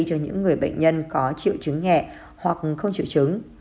cho những người bệnh nhân có triệu chứng nhẹ hoặc không chịu chứng